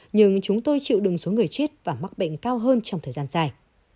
nhưng chúng tôi chịu đựng số người chết và mắc bệnh cao hơn trong thời gian dài